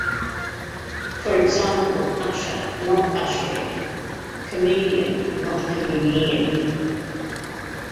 For example, "usher", not "usherette"; "comedian", not "comedienne".